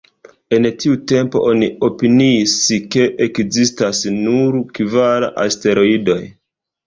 En tiu tempo, oni opiniis ke ekzistas nur kvar asteroidoj.